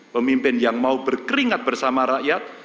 pemimpin yang mau berkeringat bersama rakyat